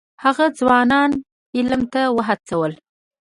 هغه ځوانان علم ته وهڅول.